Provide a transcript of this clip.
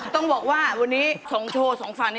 ต้องบอกว่าวันนี้๒โชว์สองฝั่งนี้